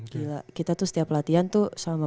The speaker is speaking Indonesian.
gila kita tuh setiap latihan tuh sama